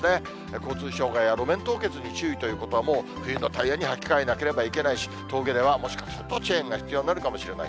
交通障害や路面凍結に注意ということは、もう冬のタイヤに履き替えなければいけないし、峠ではもしかすると、チェーンが必要になるかもしれない。